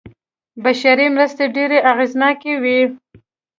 بشري مرستې ډېرې اغېزناکې وې.